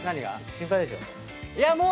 心配でしょ？